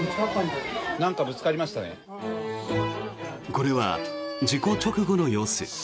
これは事故直後の様子。